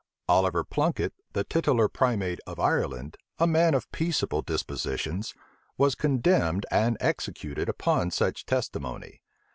Oliver Plunket, the titular primate of Ireland, a man of peaceable dispositions, was condemned and executed upon such testimony.